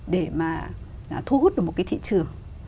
để mà thu hút được một cái thị trường